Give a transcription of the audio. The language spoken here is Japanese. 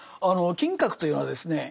金閣というのはですね